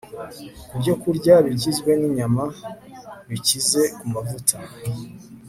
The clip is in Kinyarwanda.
ku byokurya bigizwe ninyama bikize ku mavuta